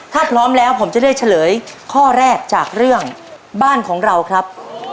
ถ้าพร้อมแล้วผมจะเลือกเฉลยข้อแรกจากเรื่องบ้านของเราครับ